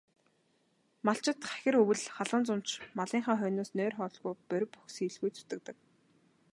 Малчид хахир өвөл, халуун зун ч малынхаа хойноос нойр, хоолгүй борви бохисхийлгүй зүтгэдэг.